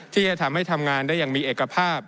ที่จะทำให้ทำงานได้อย่างมีเอกภาพ